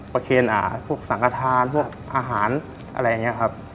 เคนพวกสังกระทานพวกอาหารอะไรอย่างนี้ครับ